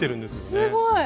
すごい！